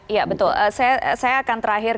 iya betul saya akan terakhir